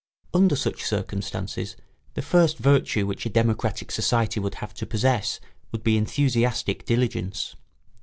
] Under such circumstances the first virtue which a democratic society would have to possess would be enthusiastic diligence.